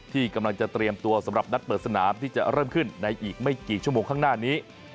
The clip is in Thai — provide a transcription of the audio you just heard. ที่กำลังจะเตรียมตัวสำหรับนัดเปิดสนามที่จะเริ่มขึ้นในอีกไม่กี่ชั่วโมงข้างหน้านี้